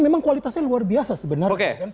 memang kualitasnya luar biasa sebenarnya